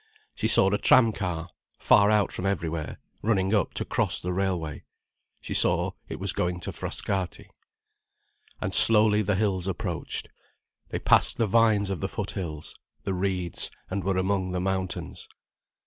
She saw a tram car, far out from everywhere, running up to cross the railway. She saw it was going to Frascati. And slowly the hills approached—they passed the vines of the foothills, the reeds, and were among the mountains.